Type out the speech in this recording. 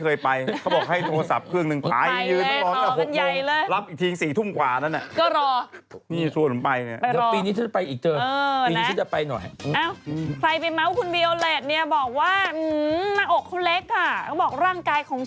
เขาก็บอกร่างกายของฉันปัญหาของฉันเอง